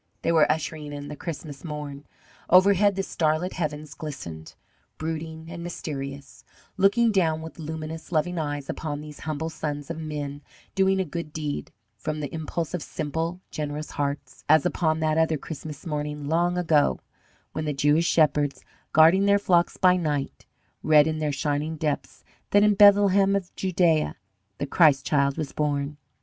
They were ushering in the Christmas morn. Overhead the starlit heavens glistened, brooding and mysterious, looking down with luminous, loving eyes upon these humble sons of men doing a good deed, from the impulse of simple, generous hearts, as upon that other Christmas morning, long ago, when the Jewish shepherds, guarding their flocks by night, read in their shining depths that in Bethlehem of Judea the Christ Child was born.